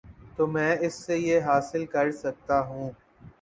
تو میں اس سے یہ حاصل کر سکتا ہوں۔